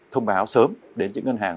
thông báo sớm đến những ngân hàng